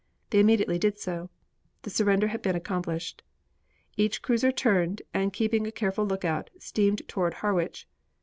They immediately did so. The surrender had been accomplished. Each cruiser turned, and, keeping a careful lookout, steamed toward Harwich.